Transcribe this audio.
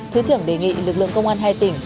thứ trưởng đề nghị lực lượng công an hai tỉnh